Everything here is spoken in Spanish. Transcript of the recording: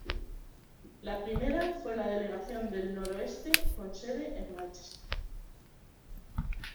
La primera fue la Delegación del Noroeste, con sede en Manchester.